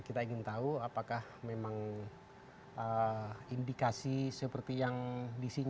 kita ingin tahu apakah memang indikasi seperti yang disinggung